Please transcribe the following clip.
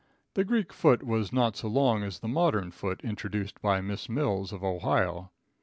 The Greek foot was not so long as the modern foot introduced by Miss Mills, of Ohio.